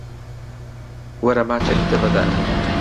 وەرە ماچێک بدە بە دایە.